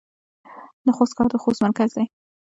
د خوست ښار د خوست مرکز دی